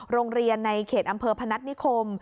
โรงเรียนในเขตอำเภอพนัฐนิคม